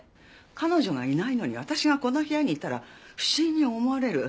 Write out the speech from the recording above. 彼女がいないのに私がこの部屋にいたら不審に思われる。